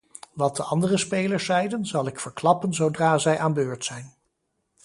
Wat de andere spelers zeiden, zal ik verklappen zodra zij aan beurt zijn.